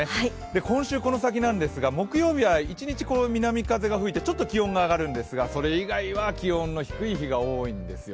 今週この先なんですが、木曜日は一日南風が吹いてちょっと気温が上がるんですがそれ以外は気温の低い日が多いんですよ。